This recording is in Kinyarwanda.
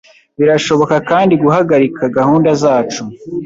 Birashoboka kandi guhagarika gahunda zacu,